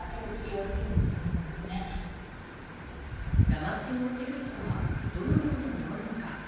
だましの手口とはどのようなものなのか。